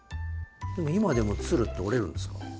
でも今でも鶴って折れるんですか？